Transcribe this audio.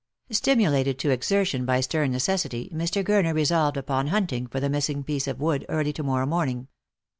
Stimulated to exertion by stern necessity, Mr. Gurner resolved upon hunting for the missing piece of wood early to morrow morning.